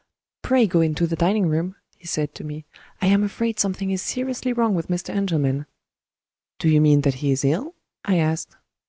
"Pray go into the dining room!" he said to me. "I am afraid something is seriously wrong with Mr. Engelman. "Do you mean that he is ill?" I asked.